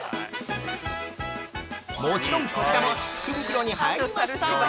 ◆もちろん、こちらも福袋に入りました。